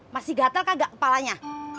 masih gatel kagak kepalanya